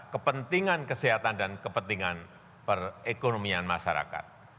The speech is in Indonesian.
kepentingan kesehatan dan kepentingan perekonomian masyarakat